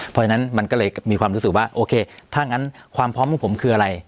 เพราะฉะนั้นมันก็เลยมีความรู้สึกว่าโอเคถ้างั้นความพร้อมของผมคืออะไร